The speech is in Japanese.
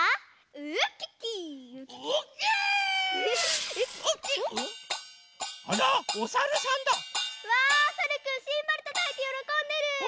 うわさるくんシンバルたたいてよろこんでる！